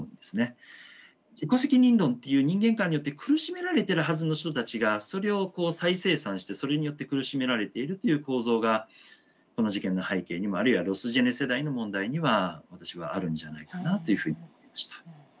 自己責任論という人間観によって苦しめられてるはずの人たちがそれをこう再生産してそれによって苦しめられているという構造がこの事件の背景にもあるいはロスジェネ世代の問題には私はあるんじゃないかなというふうに思いました。